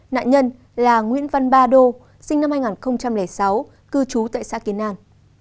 nạn nhân là nguyễn văn ba đô sinh năm hai nghìn sáu cư trú tại xã kiến an